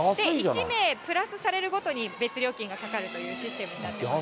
１名プラスされるごとに別料金がかかるというシステムになっています。